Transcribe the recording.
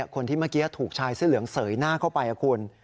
คนที่เมื่อกี้ถูกชายเสื้อเหลืองเสยหน้าเข้าไปคุณ